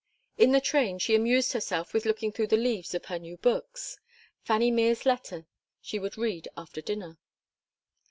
In the train she amused herself with looking through the leaves of her new books. Fanny Mere's letter she would read after dinner.